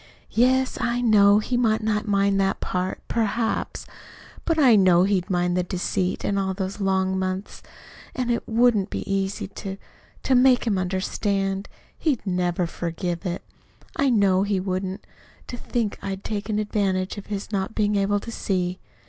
"Yes, I know. He might not mind that part, PERHAPS; but I know he'd mind the deceit all these long months, and it wouldn't be easy to to make him understand. He'd never forgive it I know he wouldn't to think I'd taken advantage of his not being able to see."